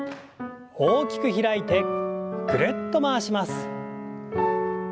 大きく開いてぐるっと回します。